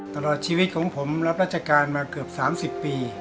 ตลอดชีวิตของผมรับราชการมาเกือบ๓๐ปี